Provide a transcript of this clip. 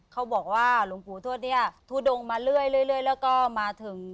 เขาบอกว่าหลวงปู่ทวดเนี่ยทุดงมาเรื่อยแล้วก็มาถึง